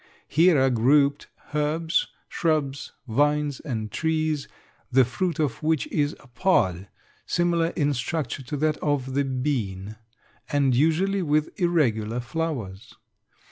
Here are grouped herbs, shrubs, vines, and trees, the fruit of which is a pod similar in structure to that of the bean, and usually with irregular flowers.